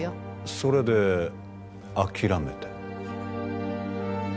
それで諦めて？